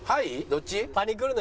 どっち？